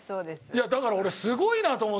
いやだから俺すごいなと思うんだよ。